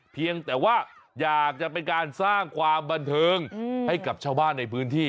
เพียงแต่ว่าอยากจะเป็นการสร้างความบันเทิงให้กับชาวบ้านในพื้นที่